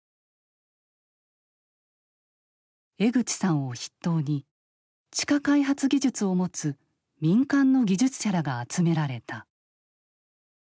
江口さんを筆頭に地下開発技術を持つ民間の技術者らが集められた。